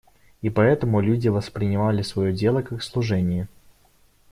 И поэтому люди воспринимали свое дело как служение.